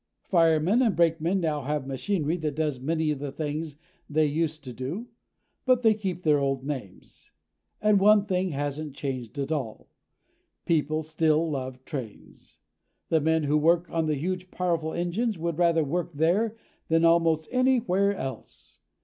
Firemen and brakemen now have machinery that does many of the things they used to do, but they keep their old names. And one thing hasn't changed at all: People still love trains. The men who work on the huge powerful engines would rather work there than almost anywhere else.